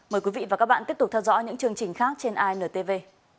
mời quý vị và các bạn tiếp tục theo dõi những chương trình khác trên intv